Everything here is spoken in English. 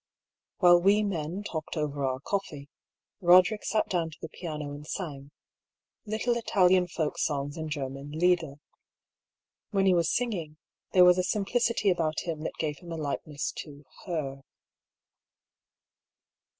While we men talked over our coffee, Eoderick sat down to the piano and sang: little Italian folk songs and German lieder. When he was singing, there was a simplicity about him that gave him a likeness to her.